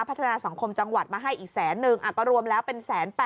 พัฒนาสังคมจังหวัดมาให้อีกแสนนึงก็รวมแล้วเป็น๑๘๐๐